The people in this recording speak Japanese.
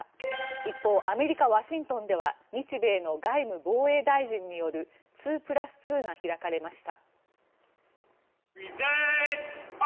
一方アメリカ・ワシントンでは日米の外務・防衛大臣による２プラス２が開かれました。